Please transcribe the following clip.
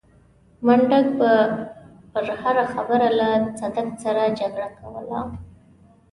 منډک به پر هره خبره له صدک سره جګړه کوله.